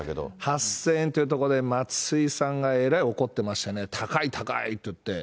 ８０００円というとこで、松井さんがえらい怒ってましたね、高い、高いって言って。